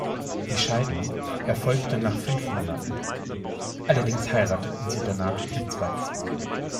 Die Scheidung erfolgte nach fünf Monaten; allerdings heirateten sie danach ein zweites Mal.